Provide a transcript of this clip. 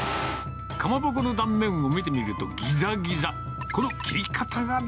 かまぼこの断面を見てみると、ぎざぎざ。